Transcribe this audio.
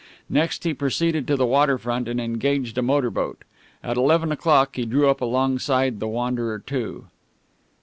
Next he proceeded to the water front and engaged a motor boat. At eleven o'clock he drew up alongside the Wanderer II.